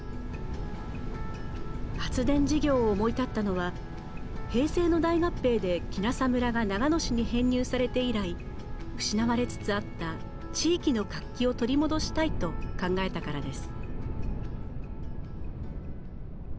発電事業を思い立ったのは平成の大合併で鬼無里村が長野市に編入されて以来失われつつあった地域の活気を取り戻したいと考えたからです。